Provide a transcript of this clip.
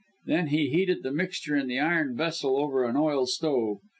Then he heated the mixture in the iron vessel over an oil stove.